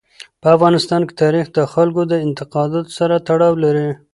په افغانستان کې تاریخ د خلکو د اعتقاداتو سره تړاو لري.